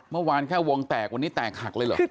เมื่อวานแค่วงแตกวันนี้แตกหักเลยเหรอ